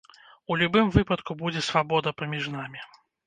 У любым выпадку будзе свабода паміж намі.